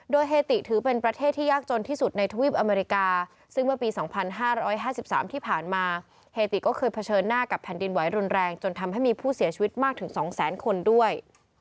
โดยเฮติถือเป็นประเทศที่ยากจนที่สุดในทวีปอเมริกาซึ่งเมื่อปี๒๕๕๓ที่ผ่านมาเฮติก็เคยเผชิญหน้ากับแผ่นดินไหวรุนแรงจนทำให้มีผู้เสียชีวิตมากถึง๒แสนคนด้วย